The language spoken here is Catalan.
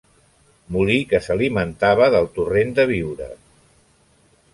Molí que s'alimentava del Torrent de Biure.